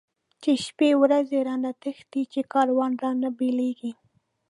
چی شپی ورځی رانه تښتی، چی کاروان رانه بيليږی